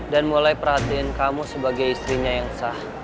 dan mulai perhatiin kamu sebagai istrinya yang sah